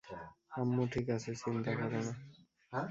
আম্মু ঠিক আছে, চিন্তা করো না!